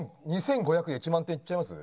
２５００で１万点いっちゃいます？